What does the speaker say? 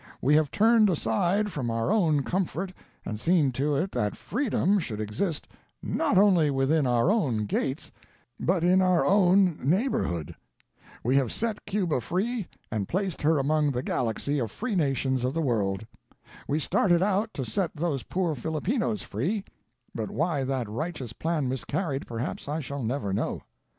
We have turned aside from our own comfort and seen to it that freedom should exist not only within our own gates, but in our own neighborhood. We have set Cuba free and placed her among the galaxy of free nations of the world. We started out to set those poor Filipinos free, but why that righteous plan miscarried perhaps I shall never know.